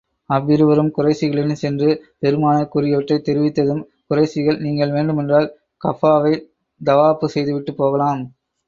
அவ்விருவரும் குறைஷிகளிடம் சென்று, பெருமானார் கூறியவற்றைத் தெரிவித்ததும், குறைஷிகள் நீங்கள் வேண்டுமென்றால் கஃபாவை தவாபு செய்துவிட்டுப் போகலாம்.